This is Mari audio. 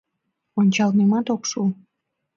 Ончалмемат ок шу...